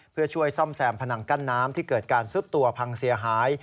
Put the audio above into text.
เพื่อช่วยซ่อมแซมพนังกั้นน้ำที่เกิดการซุดตัวพังเสียหาย